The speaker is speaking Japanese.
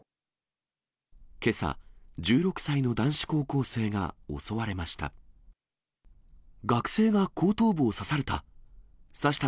けさ、１６歳の男子高校生が襲われました。